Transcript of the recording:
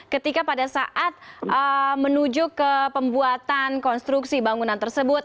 ketika pada saat menuju ke pembuatan konstruksi bangunan tersebut